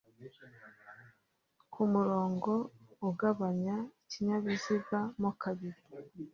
ku murongo ugabanya ikinyabiziga mo kabiri